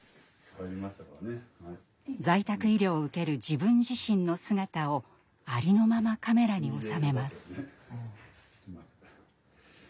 在宅医療を受ける自分自身の姿をありのままカメラに収めます。